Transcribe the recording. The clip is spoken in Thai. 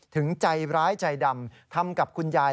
ถึงใจร้ายใจดำทำกับคุณยาย